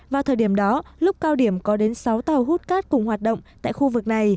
vào thời điểm đó lúc cao điểm có đến sáu tàu hút cát cùng hoạt động tại khu vực này